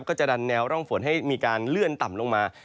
ก็จะดันแนวร่องฝนให้มีการเลื่อนต่ำลงมา